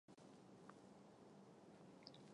薛岳是知名艺人伍佰年轻时的偶像。